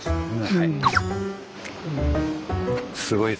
はい。